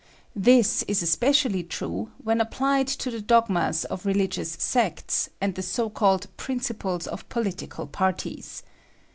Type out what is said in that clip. This is especially true when applied to the dogmas of religious sects and the so called principles of political parties.